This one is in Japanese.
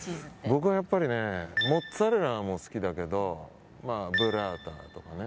僕はやっぱりモッツァレラも好きだけどブッラータとかね。